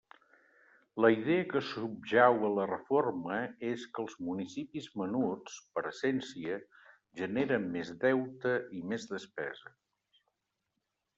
La idea que subjau a la reforma és que els municipis menuts, per essència, generen més deute i més despeses.